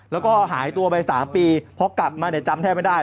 แล้วก็หายตัวไป๓ปีพอกลับมาเนี่ยจำแทบไม่ได้